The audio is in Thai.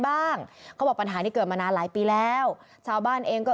เขาบอกปัญหานี้เกิดมานานหลายปีแล้วชาวบ้านเองก็